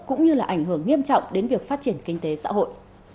cũng như là ảnh hưởng nghiêm trọng đến việc phát triển kinh tế xã hội